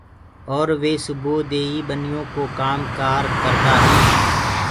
اور وي سُبوئو دي هي ٻنيو ڪو ڪآم ڪآر ڪردآ هينٚ